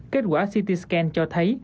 kết quả ct scan cho thấy